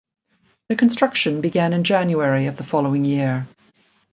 The construction began in January of the following year.